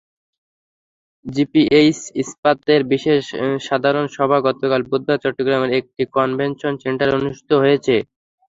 GPH ইস্পাতের বিশেষ সাধারণ সভা গতকাল বুধবার চট্টগ্রামের একটি কনভেনশন সেন্টারে অনুষ্ঠিত হয়েছে।